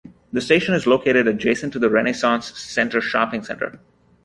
The station is located adjacent to the Renaissance Center Shopping Center.